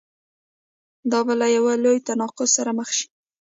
دا به له یوه لوی تناقض سره مخ شي.